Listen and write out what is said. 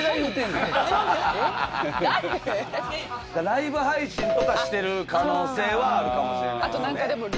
ライブ配信とかしてる可能性はあるかもしれないですね。